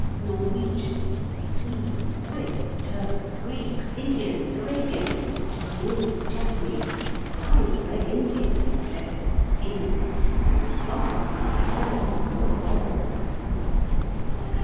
Norwegians, Swedes, Swiss, Turks, Greeks, Indians, Arabians, Chinese, Japanese, besides Red Indians in dresses of skins, and Scots in kilts and sporrans.